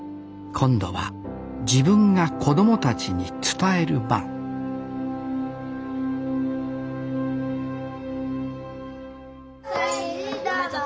今度は自分が子供たちに伝える番ジダバ。